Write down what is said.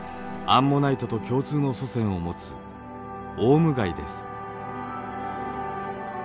アンモナイトと共通の祖先を持つオウムガイです。